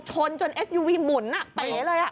ชนจนเอสยูวีหมุนอ่ะไปเลยอ่ะ